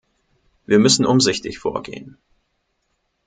Wir müssen umsichtig vorgehen.